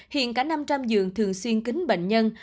hiện cả năm trăm linh giường thường xuyên kính bệnh nhân